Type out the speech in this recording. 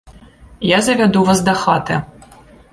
Я завяду вас дахаты.